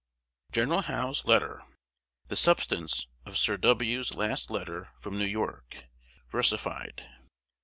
GENERAL HOWE'S LETTER The substance of Sir W.'s last letter from New York, versified.